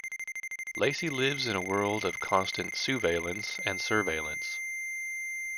Lacey lives in a world of constant sousveillance and surveillance.